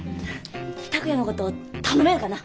拓也のこと頼めるかな。